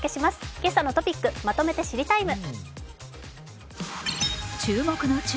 「けさのトピックまとめて知りＴＩＭＥ，」。